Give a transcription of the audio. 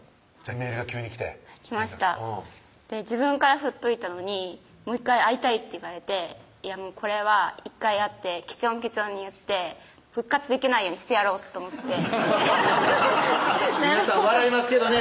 メールが急に来て来ました自分から振っといたのに「もう１回会いたい」って言われてこれは１回会ってけちょんけちょんに言って復活できないようにしてやろうと思って皆さん笑いますけどね